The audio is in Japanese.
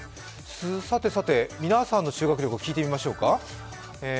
さてさて、皆さんの修学旅行聞いてみましょうか。